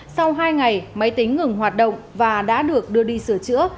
sau hai ngày máy tính ngừng hoạt động và đã được đưa đi sửa chữa